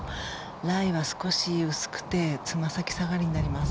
ライは少し薄くてつま先下がりになります。